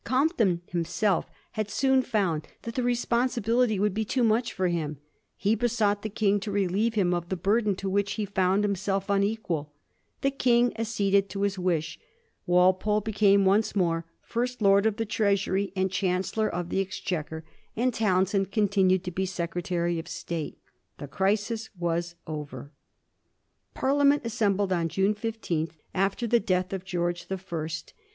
Compton him self had soon found that the responsibility would be too much for him. He besought the King to relieve him of the burden to which he found himself un equal. The King acceded to his wish. Walpole became once again First Lord of the Treasury and Chancellor of the Exchequer, and Townshend con Digiti zed by Google 364 A lUSTOKY OF THE FOUR GEORGES, ch. xtui. tinued to be Secretary of State. The crisis was over. Parliament assembled on June 15, after the death of George the First.